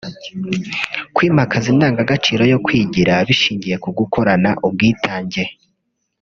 Kwimakaza indangagaciro yo kwigira bishingiye ku gukorana ubwitange